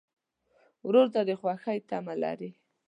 ورور ته د خوښۍ تمه لرې.